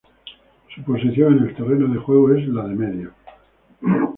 Su posición en el terreno de juego es la de medio.